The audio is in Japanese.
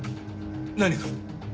何か？